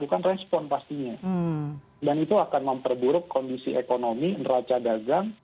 itu nanti satu dua tiga hari ke depan kita akan melihat khawatirnya reaksi dari negara negara lain